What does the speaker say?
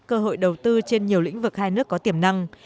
cơ hội đầu tư trên nhiều lĩnh vực hai nước có tiềm năng